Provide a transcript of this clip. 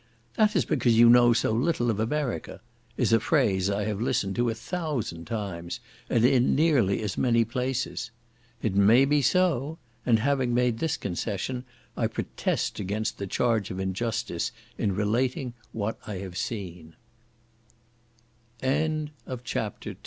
"That is because you know so little of America," is a phrase I have listened to a thousand times, and in nearly as many different places. It may be so—and having made this concession, I protest against the charge of injustice in relating what I have seen. CHA